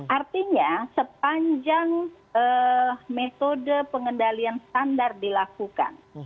artinya sepanjang metode pengendalian standar dilakukan